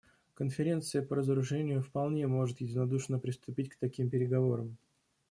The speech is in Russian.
Конференция по разоружению вполне может единодушно приступить к таким переговорам.